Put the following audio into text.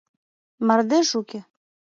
Мардеж уке.